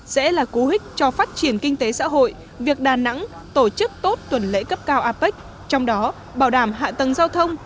sẽ là cú hích cho phát triển kinh tế xã hội việc đà nẵng tổ chức tốt tuần lễ cấp cao apec trong đó bảo đảm hạ tầng giao thông